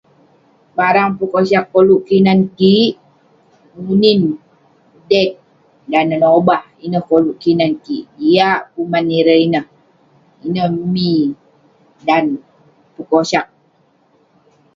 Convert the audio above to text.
Barang pekosag koluk kinan kik ; munin, deg. Dan neh nobah, ineh koluk kinan kik. Jiak kuman ireh ineh, ineh mi dan pekosag.